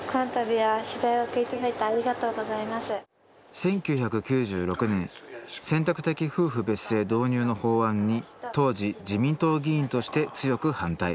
１９９６年「選択的夫婦別姓」導入の法案に当時自民党議員として強く反対。